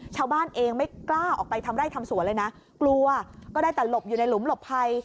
ชาวบ้านเองไม่กล้าออกไปทำไร่ทำสวนเลยนะกลัวก็ได้แต่หลบอยู่ในหลุมหลบภัย